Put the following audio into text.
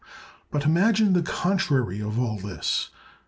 But imagine the contrary of all this.